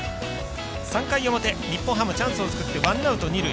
３回表日本ハム、チャンスを作ってワンアウト、二塁。